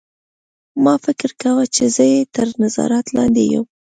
ما فکر کاوه چې زه یې تر نظارت لاندې یم